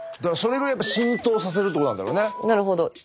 なるほど。